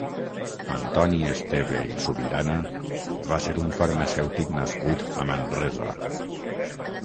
Antoni Esteve i Subirana va ser un farmacèutic nascut a Manresa.